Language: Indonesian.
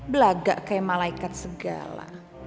belagak kayak malaikat segala